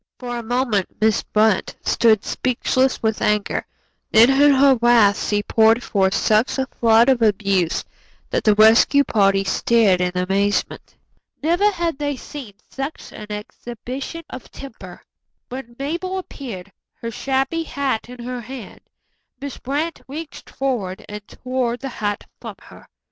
For a moment Miss Brant stood speechless with anger, then in her wrath she poured forth such a flood of abuse that the rescue party stared in amazement. Never had they seen such an exhibition of temper. When Mabel appeared, her shabby hat in her hand, Miss Brant reached forward and tore the hat from her.